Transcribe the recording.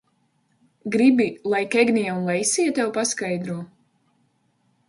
Gribi, lai Kegnija un Leisija tev paskaidro?